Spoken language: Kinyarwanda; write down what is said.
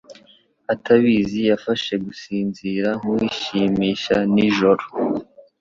atabizi yafashe gusinzira nkuwishimisha nijoro.